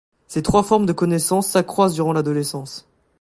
Ces trois formes de connaissance s'accroissent durant l'adolescence.